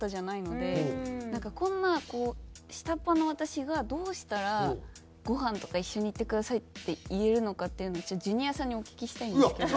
なんかこんなこう下っ端の私がどうしたらごはんとか一緒に行ってくださいって言えるのかっていうのをジュニアさんにお聞きしたいんですけど。